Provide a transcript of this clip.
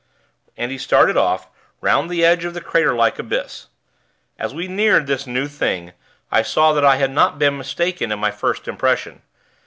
And he started off, 'round the edge of the craterlike abyss. As we neared this new thing, I saw that I had not been mistaken in my first impression.